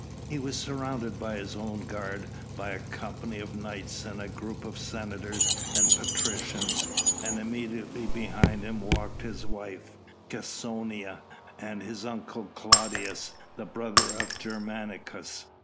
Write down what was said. He was surrounded by his own guard, by a company of knights and a group of senators and patricians, and immediately behind him walked his wife, Cæsonia, and his uncle, Claudius, the brother of Germanicus.